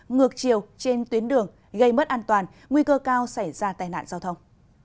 ngược chiều trên tuyến đường gây mất an toàn nguy cơ cao xảy ra tai nạn giao thông